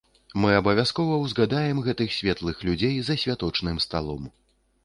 Мы абавязкова ўзгадаем гэтых светлых людзей за святочным сталом.